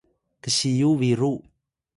ksiyu biru